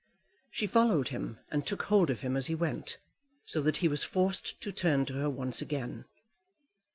She followed him and took hold of him as he went, so that he was forced to turn to her once again.